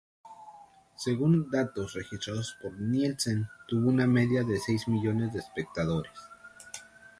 Según datos registrados por Nielsen tuvo una media de seis millones de espectadores.